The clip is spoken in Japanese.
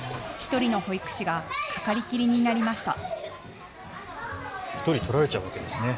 １人の保育士がかかりきりになりました。